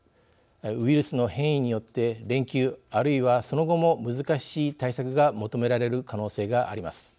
ウイルスの変異によって連休あるいはその後も難しい対策が求められる可能性があります。